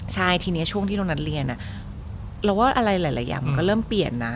ใช่ทีนี้ช่วงที่น้องนัทเรียนเราว่าอะไรหลายอย่างมันก็เริ่มเปลี่ยนนะ